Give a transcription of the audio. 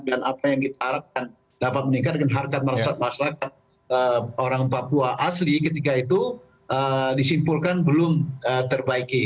dan apa yang kita harapkan dapat meningkatkan harga masyarakat orang papua asli ketika itu disimpulkan belum terbaiki